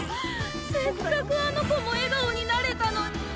せっかくあの子も笑顔になれたのに！